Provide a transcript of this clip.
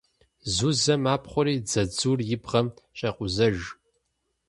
Зузэ мапхъуэри дзадзур и бгъэм щӏекъузэж.